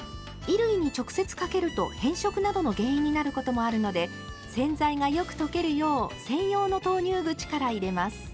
衣類に直接かけると変色などの原因になることもあるので洗剤がよく溶けるよう専用の投入口から入れます。